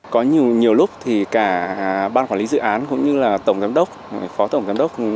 có nhiều nhiều lúc thì cả ban quản lý dự án cũng như là tổng giám đốc phó tổng giám đốc